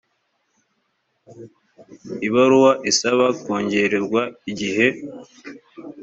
ibaruwa isaba kongererwa igihe